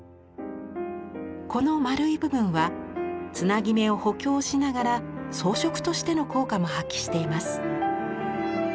この丸い部分はつなぎ目を補強しながら装飾としての効果も発揮しています。